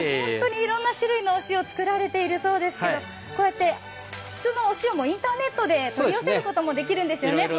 本当にいろんな種類のお塩を作られているそうですけど、こうやって普通のお塩もインターネットで取り寄せることもできるんですよね。